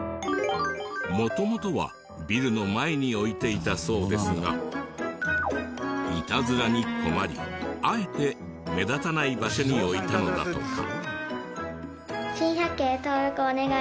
元々はビルの前に置いていたそうですがイタズラに困りあえて目立たない場所に置いたのだとか。